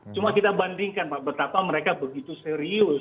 cuma kita bandingkan pak betapa mereka begitu serius